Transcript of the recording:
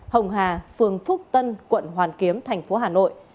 hồng hà phường phúc tân quận hoàn kiếm tp hcm